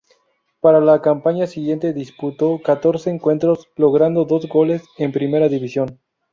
Para la campaña siguiente disputó catorce encuentros, logrando dos goles en Primera División.